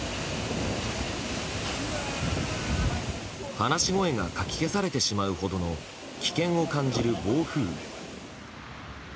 話し声がかき消されてしまうほどの危険を感じる暴風雨。